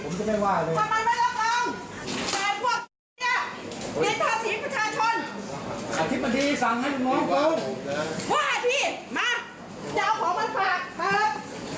มาฉันเอาของมาฝากเปิด